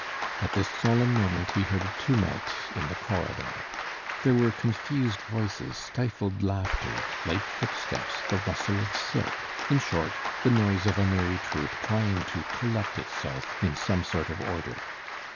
At this solemn moment he heard a tumult in the corridor. There were confused voices, stifled laughter, light footsteps, the rustle of silk, in short, the noise of a merry troop trying to collect itself in some sort of order.